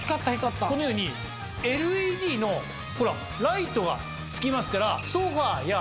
このようにＬＥＤのライトがつきますから。